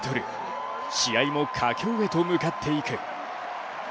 試合も佳境へと向かっていく。